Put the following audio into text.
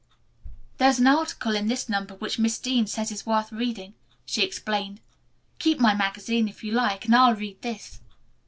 "There is an article in this number which Miss Dean says is worth reading," she explained. "Keep my magazine if you like, and I'll read this."